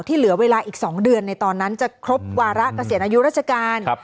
เหลือเวลาอีก๒เดือนในตอนนั้นจะครบวาระเกษียณอายุราชการ